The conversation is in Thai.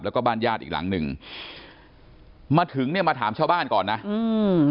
แล้วก็บ้านญาติอีกหลังหนึ่งมาถึงเนี้ยมาถามชาวบ้านก่อนนะอืม